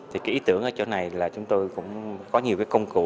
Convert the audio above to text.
thì cái ý tưởng ở chỗ này là chúng tôi cũng có nhiều cái công cụ